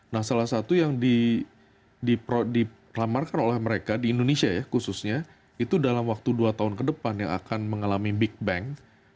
nah salah satu yang dilamarkan oleh mereka di indonesia ya khususnya itu dalam waktu dua tahun ke depan yang akan mengalami big bang